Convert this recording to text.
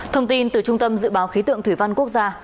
thông tin từ trung tâm dự báo khí tượng thủy văn quốc gia